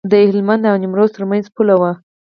د هلمند او نیمروز ترمنځ پوله وه.